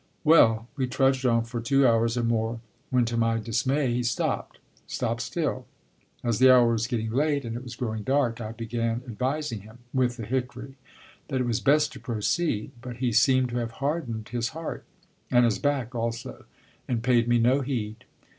Well, we trudged on for two hours or more, when to my dismay he stopped, stopped still. As the hour was getting late and it was growing dark, I began advising him with the hickory that it was best to proceed, but he seemed to have hardened his heart, and his back also, and paid me no heed.